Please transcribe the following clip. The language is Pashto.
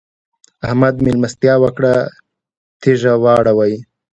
احمد؛ مېلمستيا وکړه - تيږه واړوئ.